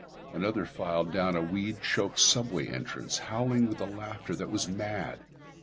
Another filed down a weed choked subway entrance, howling with a laughter that was mad.